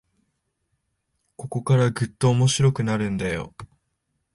ここからぐっと面白くなるんだよ